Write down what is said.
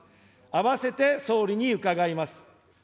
併せて総理に伺います。